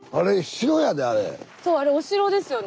そうあれお城ですよね。